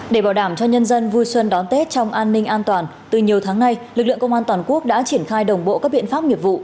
để bảo đảm cho nhân dân vui xuân đón tết trong an ninh an toàn từ nhiều tháng nay lực lượng công an toàn quốc đã triển khai đồng bộ các biện pháp nghiệp vụ